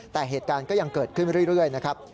แต่เหตุการณ์ก็ยังเกิดขึ้นเรื่อยนะครับ